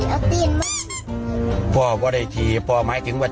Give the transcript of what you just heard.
อ้าวพ่อชิ้นมาจัดการชิ้นให้แบบนี้พ่อชิ้นเอาจิ้นไหม